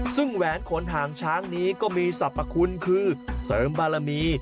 ซึ่งแหวนขนหางช้างนี้ก็มีสรรพคุณคือเสริมบารมี